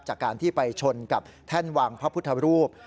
จากการที่ไปชนกับแท่นวางพระพุทธรูป